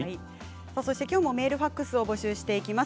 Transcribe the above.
きょうもメールファックスを募集します。